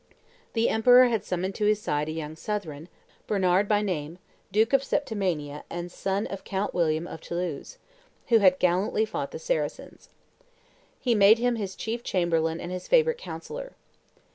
The emperor had summoned to his side a young Southron, Bernard by name, duke of Septimania and son of Count William of Toulouse, who had gallantly fought the Saracens. He made him his chief chamberlain and his favorite counsellor.